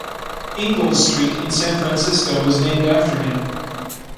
Ingalls Street in San Francisco was named after him.